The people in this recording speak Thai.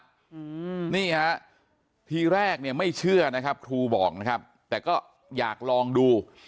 อืมนี่ฮะทีแรกเนี่ยไม่เชื่อนะครับครูบอกนะครับแต่ก็อยากลองดู